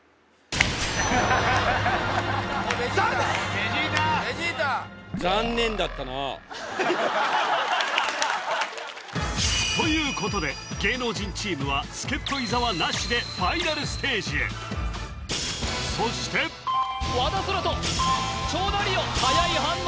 ベジータベジータということで芸能人チームは助っ人伊沢なしでファイナルステージへそしてはやい反応